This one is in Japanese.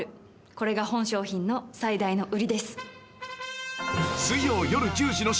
これが本商品の最大の売りです」